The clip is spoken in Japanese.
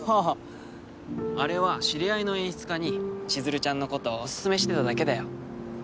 あれは知り合いの演出家にちづるちゃんのことをオススメしてただけだよ